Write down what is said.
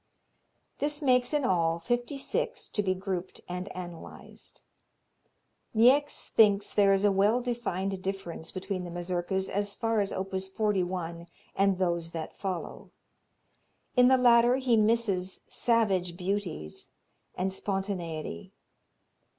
This makes in all fifty six to be grouped and analyzed. Niecks thinks there is a well defined difference between the Mazurkas as far as op. 41 and those that follow. In the latter he misses "savage beauties" and spontaneity.